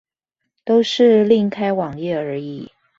都是另開網頁而已